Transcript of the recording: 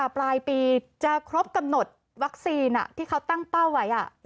ปลายปีจะครบกำหนดวัคซีนที่เขาตั้งเป้าไว้